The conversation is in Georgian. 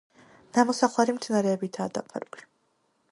ნამოსახლარი მცენარეებითაა დაფარული.